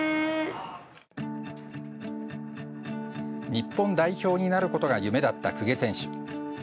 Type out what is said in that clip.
日本代表になることが夢だった公家選手。